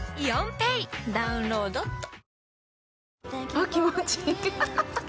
あっ気持ちいいハハハ。